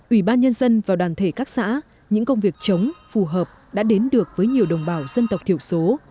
ủy ban nhân dân và đoàn thể các xã những công việc chống phù hợp đã đến được với nhiều đồng bào dân tộc thiểu số